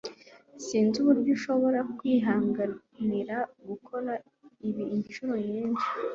Sinzi uburyo ushobora kwihanganira gukora ibi inshuro nyinshi.